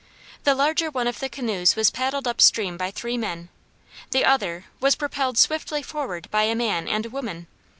The larger one of the canoes was paddled up stream by three men, the other was propelled swiftly forward by a man and a woman.